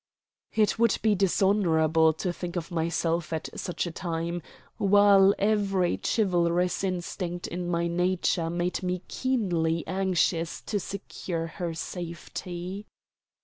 It would be dishonorable to think of myself at such a time, while every chivalrous instinct in my nature made me keenly anxious to secure her safety.